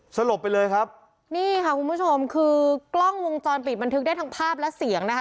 สลบไปเลยครับนี่ค่ะคุณผู้ชมคือกล้องวงจรปิดบันทึกได้ทั้งภาพและเสียงนะคะ